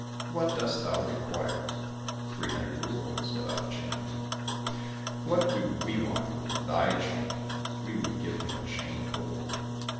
—" What dost thou require ?"—'* Three hundred roubles without a chain." —" What do we want with thy chain, we would give him a chain of gold.